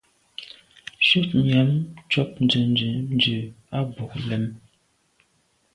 Shutnyàm tshob nzenze ndù à bwôg lem.